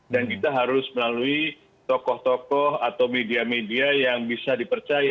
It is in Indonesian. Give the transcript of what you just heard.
dan kita harus melalui tokoh tokoh atau media media yang bisa dipercaya